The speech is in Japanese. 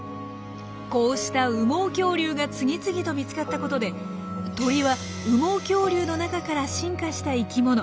こうした羽毛恐竜が次々と見つかったことで鳥は羽毛恐竜の中から進化した生きもの。